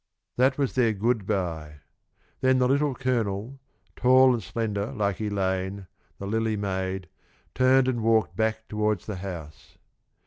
That was their good by. Then the Little Colonel, tall and slender like Elaine, the Lily Maid, turned and walked back toward the house.